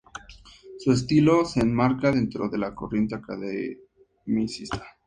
Su estilo se enmarca dentro de la corriente academicista.